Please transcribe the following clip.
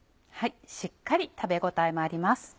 しっかり食べ応えもあります。